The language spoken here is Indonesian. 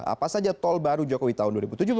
apa saja tol baru jokowi tahun dua ribu tujuh belas